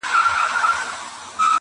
غوجله د عمل ځای ټاکل کيږي او فضا تياره,